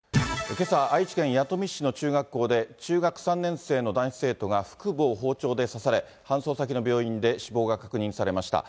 けさ、愛知県弥富市の中学校で、中学３年生の男子生徒が腹部を包丁で刺され、搬送先の病院で死亡が確認されました。